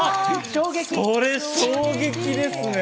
それ衝撃ですね。